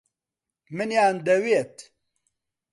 منیان دەوێت.